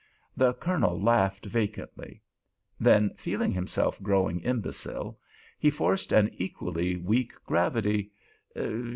The Colonel laughed vacantly. Then feeling himself growing imbecile, he forced an equally weak gravity.